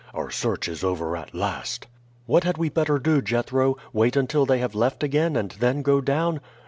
Our search is over at last." "What had we better do, Jethro? Wait until they have left again, and then go down?"